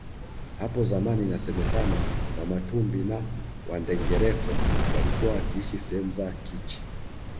Hapo zamani inasemekana wamatumbi na wandengereko walikuwa wakiishi sehemu za Kichi